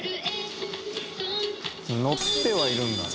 ノッてはいるんだね。